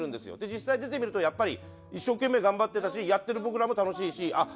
実際出てみるとやっぱり一生懸命頑張ってたしやってる僕らも楽しいしあっ